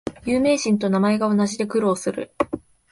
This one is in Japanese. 有名人と名前が同じで苦労する